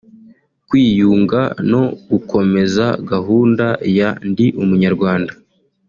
kwiyunga no gukomeza gahunda ya ‘Ndi Umunyarwanda’